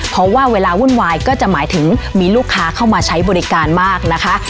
เพราะว่าเวลาวุ่นวายก็จะหมายถึงมีลูกค้าเข้ามาใช้บริการมากนะคะ